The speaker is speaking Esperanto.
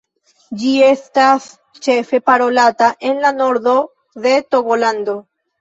Ĝi estas ĉefe parolata en la nordo de Togolando.